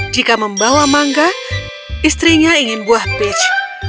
jika membawa mangga istrinya ingin buah pitch